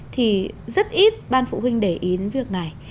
thì rất ít ban phụ huynh để ý đến việc này